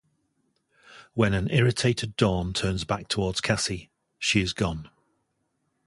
When an irritated Dawn turns back toward Cassie, she is gone.